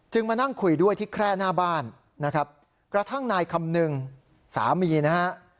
มานั่งคุยด้วยที่แคร่หน้าบ้านนะครับกระทั่งนายคำนึงสามีนะฮะ